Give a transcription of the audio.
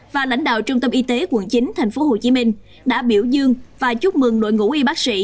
và lãnh đạo trung tâm y tế quận chín tp hcm đã biểu dương và chúc mừng đội ngũ y bác sĩ